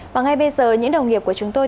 và ngay bây giờ những đồng nghiệp của chúng tôi